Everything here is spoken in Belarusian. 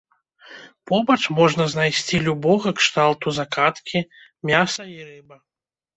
Побач можна знайсці любога кшталту закаткі, мяса і рыба.